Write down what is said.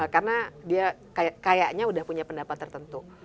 karena dia kayaknya sudah punya pendapat tertentu